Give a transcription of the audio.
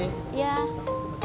kenapa berhenti rat